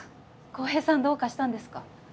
浩平さんどうかしたんですか？